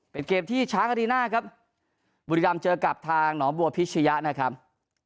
เป็นเกมที่ช้างอารีน่าครับบุรีรำเจอกับทางหนองบัวพิชยะนะครับ